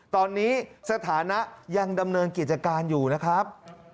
ตอนนี้สถานะยังดำเนินกิจการอยู่นะครับ